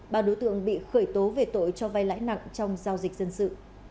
ba đối tượng bị khởi tố về tội cho vai lãi nặng trong giao dịch dân sự